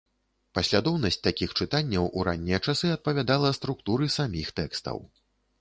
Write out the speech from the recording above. Паслядоўнасць такіх чытанняў у раннія часы адпавядала структуры саміх тэкстаў.